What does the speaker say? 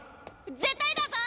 絶対だぞ！